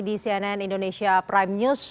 di cnn indonesia prime news